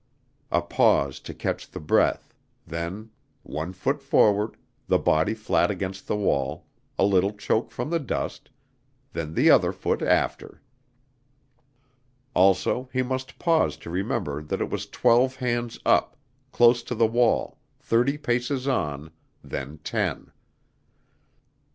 A pause to catch the breath, then one foot forward, the body flat against the wall, a little choke from the dust, then the other foot after. Also he must pause to remember that it was twelve hands up, close to the wall, thirty paces on, then ten.